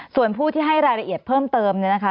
ส่วนผู้ที่ให้รายละเอียดเพิ่มเติมเนี่ยนะคะ